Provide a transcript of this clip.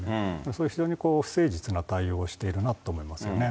それ非常に不誠実な対応しているなと感じましたね。